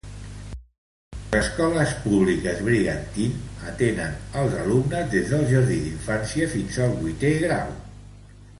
Les escoles públiques Brigantine atenen els alumnes des del jardí d'infància fins al vuitè grau.